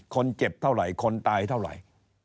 คนเจ็บเท่าไหร่คนตายเท่าไหร่